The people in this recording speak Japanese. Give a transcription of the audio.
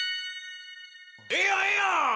ええやんええやん！